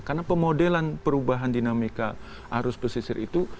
karena pemodelan perubahan dinamika arus pesisir itu